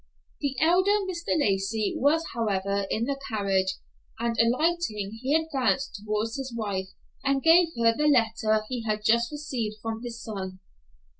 The elder Mr. Lacey, was, however, in the carriage, and alighting, he advanced toward his wife and gave her the letter he had just received from his son.